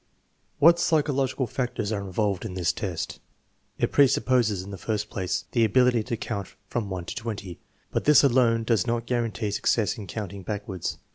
What psychological factors are involved in this test? It presupposes, hi the first place, the ability to count from 1 to 0. But this alone does not guarantee success in counting backwards.